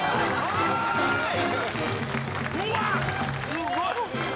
すごい。